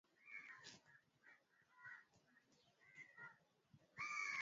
kunaonekana kuna ushindani timu zimejipanga vizuri